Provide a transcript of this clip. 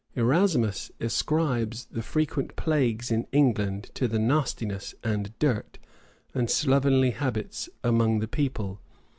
Erasmus ascribes the frequent plagues in England to the nastiness, and dirt, and slovenly habits among the people.